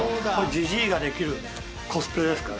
ジジイができるコスプレですから。